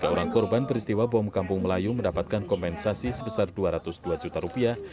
tiga orang korban peristiwa bom kampung melayu mendapatkan kompensasi sebesar dua ratus dua juta rupiah